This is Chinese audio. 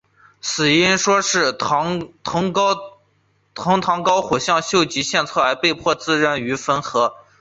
死因一说是藤堂高虎向秀吉献策而被迫自刃于粉河。